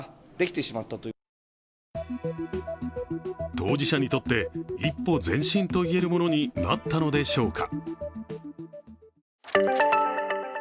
当事者にとって一歩前進といえるものになったのでしょうか。